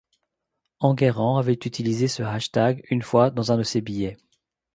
Enguerrand avait utilisé ce hashtag, une fois, dans un de ses billets.